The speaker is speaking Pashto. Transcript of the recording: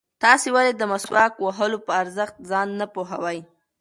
تاسې ولې د مسواک وهلو په ارزښت ځان نه پوهوئ؟